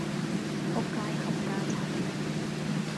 僕街冚家鏟